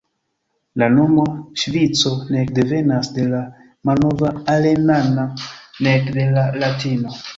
La nomo Ŝvico nek devenas de la malnova alemana, nek de la latino.